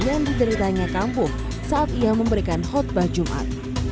yang dideritanya kampung saat ia memberikan khutbah jumat